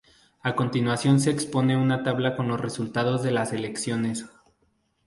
A continuación se expone una tabla con los resultados de las elecciones.